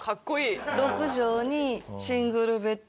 ６畳にシングルベッドがあって。